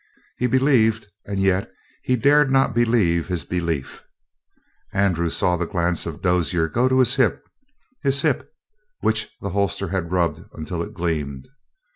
He believed and yet he dared not believe his belief. Andrew saw the glance of Dozier go to his hip his hip which the holster had rubbed until it gleamed.